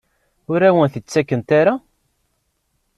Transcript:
Ur awen-t-id-ttakent ara?